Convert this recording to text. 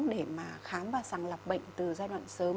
để mà khám và sẵn lập bệnh từ giai đoạn sớm